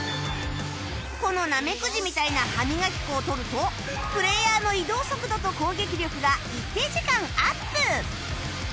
このなめくじみたいな歯磨き粉を取るとプレイヤーの移動速度と攻撃力が一定時間アップ